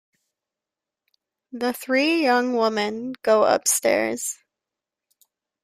The three young women go up-stairs.